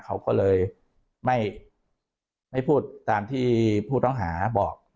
เขาก็เลยไม่พูดตามที่ผู้ต้องหาบอก